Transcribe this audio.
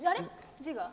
字が。